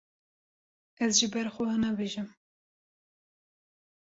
Ez ji ber xwe ve nabêjim.